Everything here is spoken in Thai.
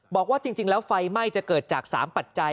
บอกว่าจริงแล้วไฟไหม้จะเกิดจาก๓ปัจจัย